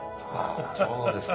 そうですか。